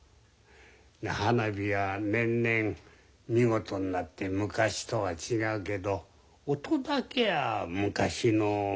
花火は年々見事になって昔とは違うけど音だけは昔のまんまでね。